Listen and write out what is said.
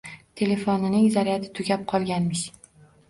“Telefonining zaryadi tugab qolganmish”.